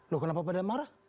loh kenapa pada marah